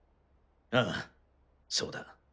あぁそうだ。